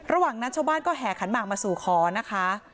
ระหว่างนั้นชาวบ้านก็แห่ขันหมากมาสู่ขอนะคะ